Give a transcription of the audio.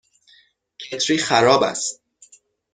کتری خراب است.